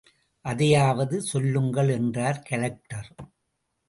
அதையாவது சொல்லுங்கள் என்றார் கலெக்டர்.